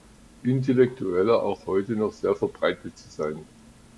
Intellektueller auch heute noch sehr verbreitet zu sein.